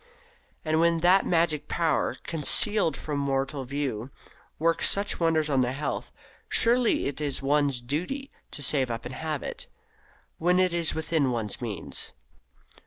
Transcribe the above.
And when that magic power, concealed from mortal view, works such wonders on the health, surely it is one's duty to save up and have it, when it is within one's means.